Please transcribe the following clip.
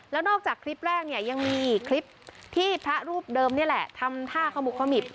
แล้วนอกจากคลิปแรกเนี่ยยังมีคลิปที่พระรูปเดิมนี่แหละทำท่าขมุกขมิบ